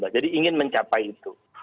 jadi ingin mencapai itu